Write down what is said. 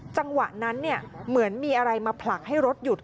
จังหวะนั้นเหมือนมีอะไรมาผลักให้รถหยุด